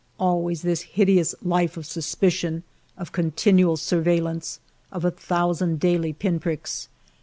Always this hideous life of suspicion, of continual surveillance, of a thousand daily pin pricks.